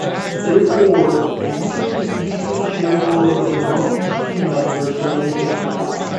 Therefore, a user can easily share photos among team members over the Internet.